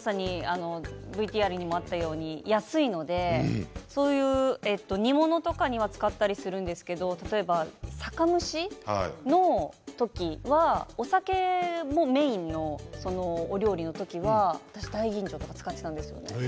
ＶＴＲにあったように安いので煮物とかには使ったりするんですけど例えば、酒蒸しの時お酒がメインのお料理の時は私は、大吟醸とか使っていたんですよ。